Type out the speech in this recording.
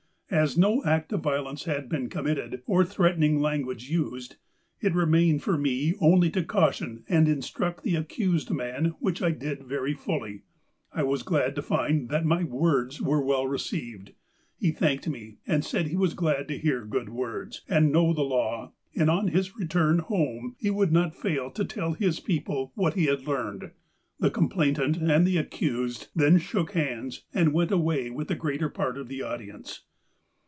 "As no act of violence had been committed, or threatening language used, it remained for me only to caution and instruct the accused man, which I did very fully. I was glad to find that my words were well received. He thanked me, and said he was glad to hear good words, and know the law, and on his return home he would not fail to tell his people what he had learned. The complainant and the accused then shook hands and went away with the greater part of the audience.